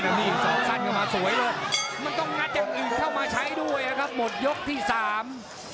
แล้วมีอีกสองสั้นเข้ามาสวยลงมันต้องกระเจ็บอีกเท่ามาใช้ด้วยครับหมดยกที่สาม